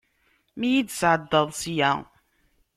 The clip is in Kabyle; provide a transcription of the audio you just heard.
Mi yi-d-tesɛeddaḍ sya.